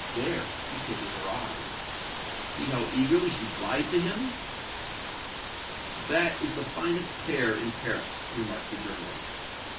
"There, he catches her eye. See how eagerly she flies to him!" "That is the finest pair in Paris," remarked the journalist.